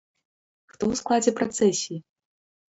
Хто ў складзе працэсіі?